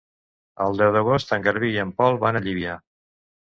El deu d'agost en Garbí i en Pol van a Llívia.